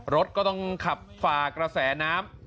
รถก็ต้องขับฝ่ากระแสน้ำ